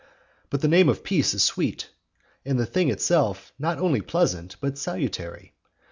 But the name of peace is sweet; and the thing itself not only pleasant but salutary.